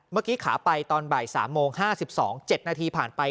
เมื่อกี้ขาไปตอนบ่ายสามโมงห้าสิบสองเจ็ดนาทีผ่านไป